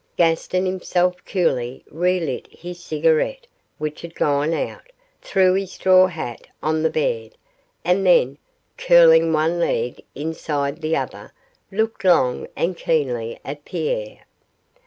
Gaston himself coolly relit his cigarette, which had gone out, threw his straw hat on the bed, and then, curling one leg inside the other, looked long and keenly at Pierre.